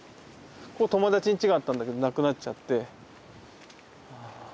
ここ友達んちがあったんだけどなくなっちゃって。